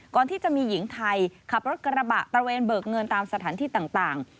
ก่อนที่จะมีหญิงไทยขับรถกระบะตระเวนเบิกเงินตามสถานที่ต่าง